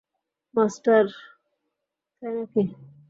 Master, তাই নাকি?